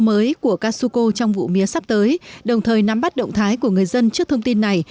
mới của casuco trong vụ mía sắp tới đồng thời nắm bắt động thái của người dân trước thông tin này